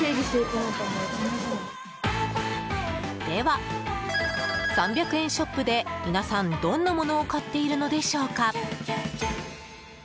では３００円ショップで皆さん、どんなものを買っているのでしょうか？